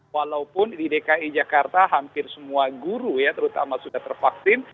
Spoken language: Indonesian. walaupun di dki jakarta hampir semua guru ya terutama sudah tervaksin